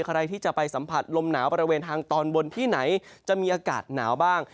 ใครที่จะไปสัมผัสลมหนาวบริเวณทางตอนบนที่ไหนจะมีอากาศหนาวบ้าง